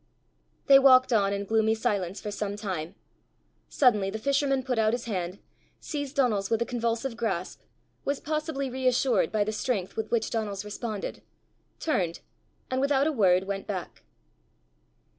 They walked on in gloomy silence for some time. Suddenly the fisherman put out his hand, seized Donal's with a convulsive grasp, was possibly reassured by the strength with which Donal's responded, turned, and without a word went back.